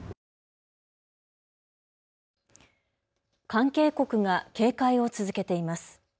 関係国が警戒を続けています。